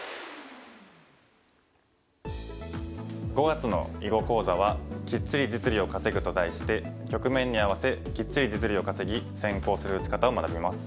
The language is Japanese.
５月の囲碁講座は「キッチリ実利を稼ぐ」と題して局面に合わせきっちり実利を稼ぎ先行する打ち方を学びます。